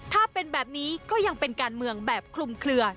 ถ้าเป็นแบบนี้ก็ยังเป็นการเมืองแบบคลุมเคลือ